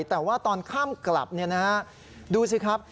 แต่ว่าตอนข้ามกลับดูสิครับ